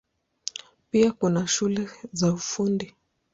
Pia kuna shule za Ufundi.